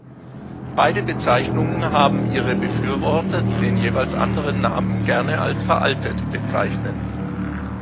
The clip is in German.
Beide Bezeichnungen haben ihre Befürworter, die den jeweils anderen Namen gerne als "veraltet" bezeichnen.